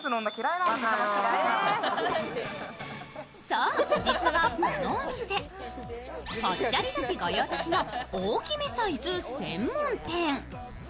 そう、実はこのお店ぽっちゃり女子御用達の大きめサイズ専門店。